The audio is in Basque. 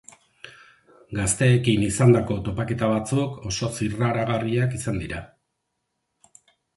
Gazteekin izandako topaketa batzuk oso zirraragarriak izan dira.